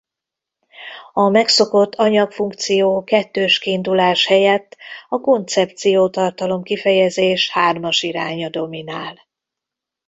A megszokott anyag-funkció kettős kiindulás helyett a koncepció-tartalom-kifejezés hármas iránya dominál.